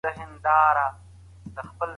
پرمختيايي هيوادونو نوي تکنالوژي واردوله.